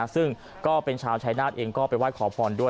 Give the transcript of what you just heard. ซึ่งก็เป็นชาวชายนาฏเองก็ไปไหว้ขอพรด้วย